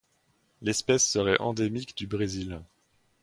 L'espèce serait endémique du Brésil.